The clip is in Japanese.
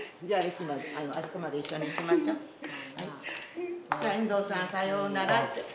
じゃあ遠藤さんさようならって。